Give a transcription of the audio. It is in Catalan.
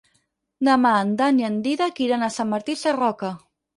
Demà en Dan i en Dídac iran a Sant Martí Sarroca.